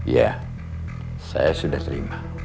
ya saya sudah terima